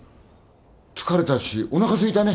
疲れたしおなかすいたね。